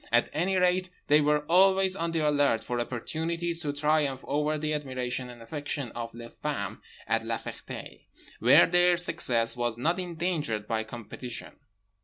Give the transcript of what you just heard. At any rate they were always on the alert for opportunities to triumph over the admiration and affection of les femmes at La Ferté, where their success was not endangered by competition.